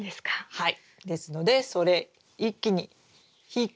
はい。